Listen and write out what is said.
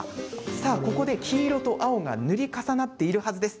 さあ、ここで、黄色と青が塗り重なっているはずです。